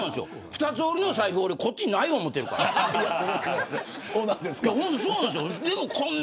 二つ折りの財布のこっちないと思ってるもん。